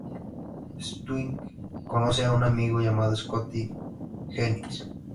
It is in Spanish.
Stewie conoce a un amigo llamado Scotty Jennings.